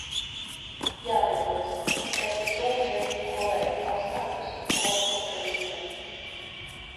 Jāpiebilst, ka es ne tuvu nezinu kolēģu apstākļus un komforta līmeni.